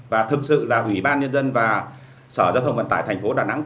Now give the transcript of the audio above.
và thực sự là ủy ban nhân dân và sở giao thông vận tải thành phố đà nẵng